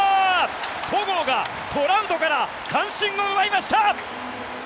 戸郷がトラウトから三振を奪いました！